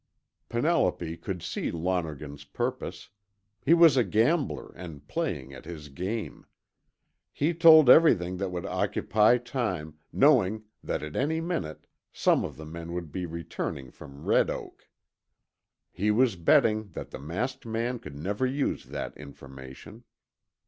Penelope could see Lonergan's purpose. He was a gambler and playing at his game. He told everything that would occupy time, knowing that at any minute some of the men would be returning from Red Oak. He was betting that the masked man could never use that information.